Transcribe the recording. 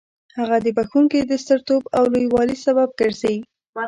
هغه د بخښونکي د سترتوب او لوی والي سبب ګرځي.